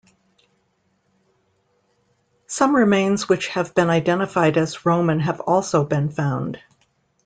Some remains which have been identified as Roman have also been found.